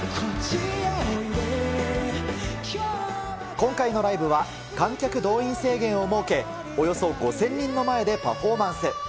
今回のライブは、観客動員制限を設け、およそ５０００人の前でパフォーマンス。